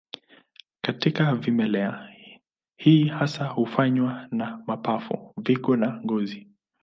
Katika vimelea, hii hasa hufanywa na mapafu, figo na ngozi.